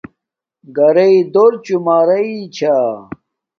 گھرݵ دور چومارݵ چھا